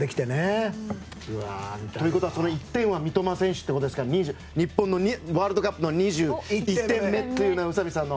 ということは、１点は三笘選手ということですから日本のワールドカップの２１点目というのは宇佐美さん。